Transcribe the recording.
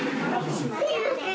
すみません。